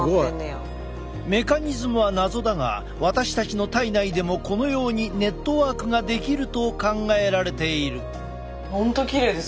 メカニズムは謎だが私たちの体内でもこのようにネットワークが出来ると考えられている。